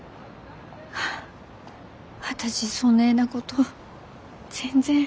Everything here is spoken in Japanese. あ私そねえなこと全然。